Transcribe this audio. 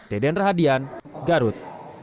deden rahadian garut